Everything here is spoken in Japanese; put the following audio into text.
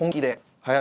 はい。